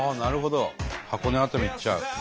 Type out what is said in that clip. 箱根熱海に行っちゃう。